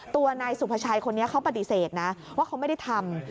ตัวนายสุภาชัยคนนี้เขาปฏิเสธนะว่าเขาไม่ได้ทำ